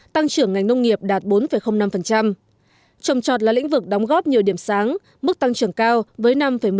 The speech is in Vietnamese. tăng trưởng ngành nông nghiệp đạt bốn năm trồng trọt là lĩnh vực đóng góp nhiều điểm sáng mức tăng trưởng cao với năm một mươi sáu